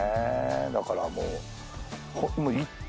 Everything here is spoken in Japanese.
だからもう。